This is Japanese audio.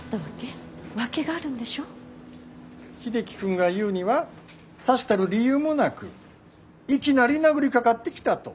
英樹君が言うにはさしたる理由もなくいきなり殴りかかってきたと。